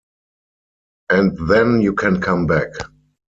And then you can come back.